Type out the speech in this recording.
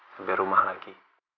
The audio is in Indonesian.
sambil rumah lagi